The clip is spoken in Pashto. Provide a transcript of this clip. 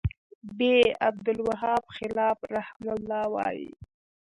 ب : عبدالوهاب خلاف رحمه الله وایی